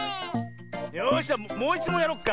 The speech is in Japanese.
よしじゃもういちもんやろっか！